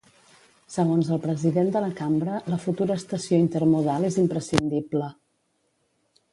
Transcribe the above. Segons el president de la Cambra, la futura estació intermodal és imprescindible.